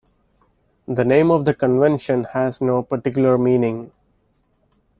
The name of the convention has no particular meaning.